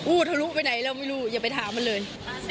อู้วเธอรู้ไปไหนแล้วไม่รู้อย่าไปถามมันเลย